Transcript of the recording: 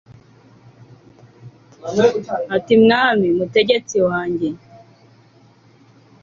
ati mwami, mutegetsi wanjye